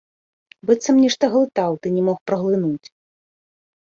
Быццам нешта глытаў ды не мог праглынуць.